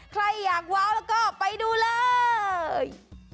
ใครอยากว้าวแล้วก็ไปดูเลย